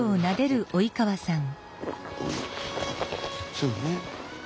そうね。